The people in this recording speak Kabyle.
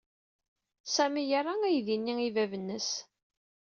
Sami yerra aydi-nni i bab-nnes.